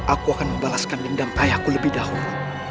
aku akan membalaskan dendam ayahku lebih dahulu